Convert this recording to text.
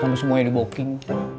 sama semuanya di booking